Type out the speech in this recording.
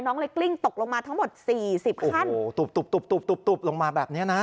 น้องเลยกลิ้งตกลงมาทั้งหมด๔๐ขั้นโอ้โหตุบลงมาแบบนี้นะ